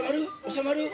収まる？